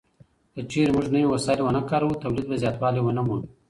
که چيرې موږ نوي وسايل ونه کاروو توليد به زياتوالی ونه مومي.